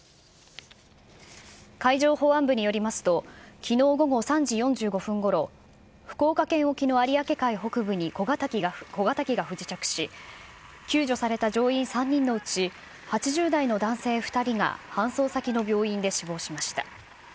海上保安部によりますと、きのう午後３時４５分ごろ、福岡県沖の有明海北部に小型機が不時着し、救助された乗員３人のうち、８０代の男性２人が搬送先の病院で死亡しました。